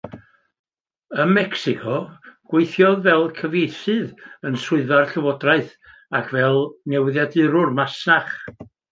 Ym Mecsico, gweithiodd fel cyfieithydd yn swyddfa'r llywodraeth ac fel newyddiadurwr masnach.